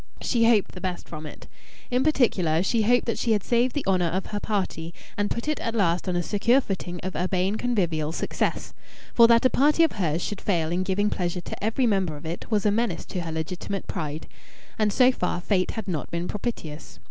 She hoped the best from it. In particular, she hoped that she had saved the honour of her party and put it at last on a secure footing of urbane convivial success. For that a party of hers should fail in giving pleasure to every member of it was a menace to her legitimate pride. And so far fate had not been propitious.